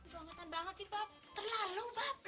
bangetan banget sih bab terlalu bab